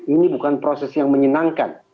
ini bukan proses yang menyenangkan